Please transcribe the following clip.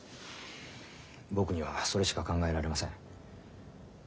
僕にはそれしか考えられません。